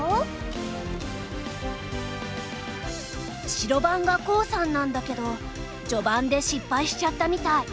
白番が航さんなんだけど序盤で失敗しちゃったみたい。